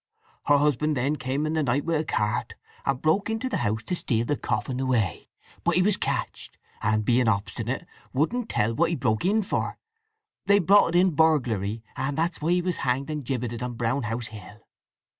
Her husband then came in the night with a cart, and broke into the house to steal the coffin away; but he was catched, and being obstinate, wouldn't tell what he broke in for. They brought it in burglary, and that's why he was hanged and gibbeted on Brown House Hill.